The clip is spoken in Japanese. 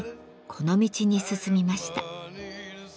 この道に進みました。